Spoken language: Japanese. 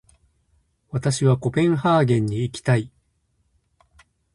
私はコペンハーゲンに行きたい。